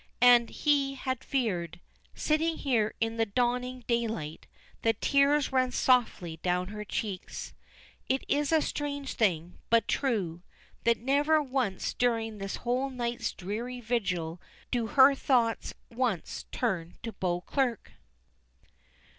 And he had feared. Sitting here in the dawning daylight, the tears ran softly down her cheeks. It is a strange thing, but true, that never once during this whole night's dreary vigil do her thoughts once turn to Beauclerk.